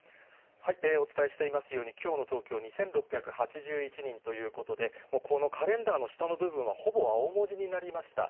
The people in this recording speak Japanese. お伝えしていますように、きょうの東京、２６８１人ということで、このカレンダーの下の部分はほぼ青文字になりました。